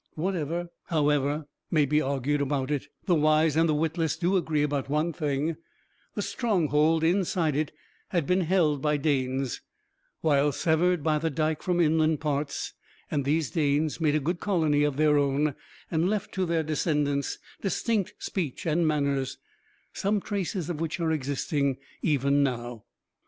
Whatever, however, may be argued about that, the wise and the witless do agree about one thing the stronghold inside it had been held by Danes, while severed by the Dike from inland parts, and these Danes made a good colony of their own, and left to their descendants distinct speech and manners, some traces of which are existing even now.